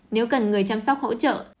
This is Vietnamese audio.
nếu cần người chăm sóc hỗ trợ